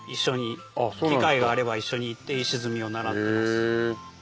機会があれば一緒に行って石積みを習ってます。